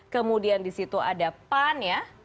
kemudian disitu ada pan ya